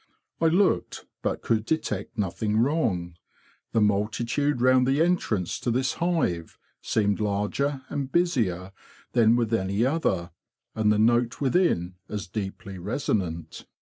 I looked, but could detect nothing wrong. The IN A BEE CAMP m1 multitude round the entrance to this hive seemed larger and busier than with any other, and the note within as deeply resonant.